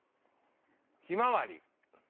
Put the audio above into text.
ひまわり。